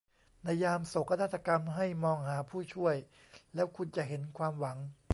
ในยามโศกนาฏกรรมให้มองหาผู้ช่วยแล้วคุณจะเห็นความหวัง